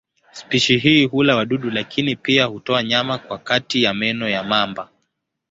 Spishi hii hula wadudu lakini pia hutoa nyama kwa kati ya meno ya mamba.